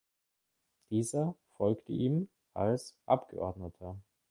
Dieser folgte ihm als Abgeordneter.